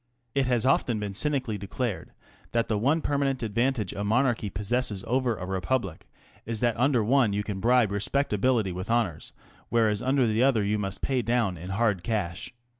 It has often been cynically declared that the one permanent advantage a monarchy possesses over a republic is that under one you can bribe respectably with honours, whereas under the other you must pay down in hard cash.